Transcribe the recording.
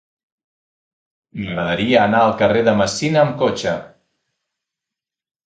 M'agradaria anar al carrer de Messina amb cotxe.